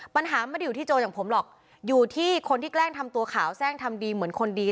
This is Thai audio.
ปัญหาไม่ได้อยู่ที่โจรอย่างผมหรอกอยู่ที่คนที่แกล้งทำตัวขาวแทร่งทำดีเหมือนคนดี